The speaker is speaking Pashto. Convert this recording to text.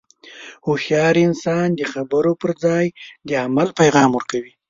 هوښیار انسان د خبرو پر ځای د عمل پیغام ورکوي.